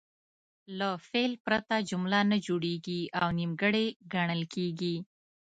له فعل پرته جمله نه جوړیږي او نیمګړې ګڼل کیږي.